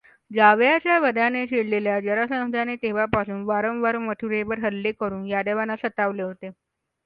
जावयाच्या वधाने चिडलेल्या जरासंधाने तेव्हापासून वारंवार मथुरेवर हल्ले करून यादवांना सतावले होते.